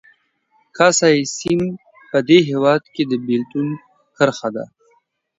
کاسای سیند په دې هېواد کې د بېلتون کرښه ده